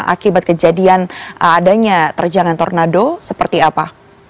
akibat kejadian adanya terjangan tornado seperti apa